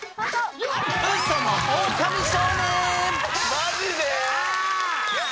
マジで！？